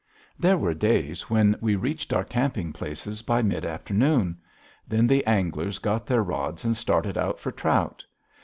Baker, Kalispell, Montana_] There were days when we reached our camping places by mid afternoon. Then the anglers got their rods and started out for trout.